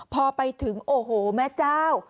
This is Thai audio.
พอไปถึงโอ้โหแม่เจ้า